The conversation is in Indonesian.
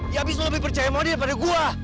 ya abis lu lebih percaya mondi daripada gue